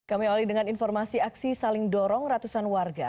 kami awali dengan informasi aksi saling dorong ratusan warga